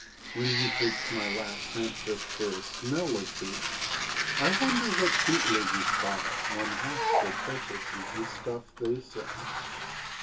When He takes my last Cent for just a Smell Of Hooch, I wonder what Bootleggers buy One half so precious as the Stuff they sell.